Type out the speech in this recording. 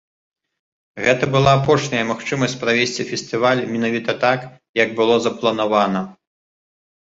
Гэта была апошняя магчымасць правесці фестываль менавіта так, як было запланавана.